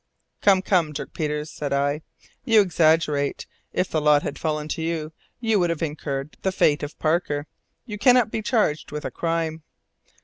"Come, come, Dirk Peters," said I, "you exaggerate! If the lot had fallen to you, you would have incurred the fate of Parker. You cannot be charged with a crime."